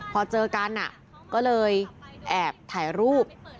พอเจอกันก็เลยแอบถ่ายรูป